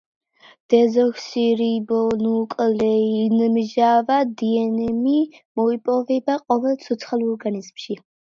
დეზოქსირიბონუკლეინმჟავა - დნმ მოიპოვება ყოველ ცოცხალ ორგანიზმში.